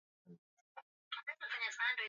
Meksiko Jimbo la Alaska liko pia kwenye bara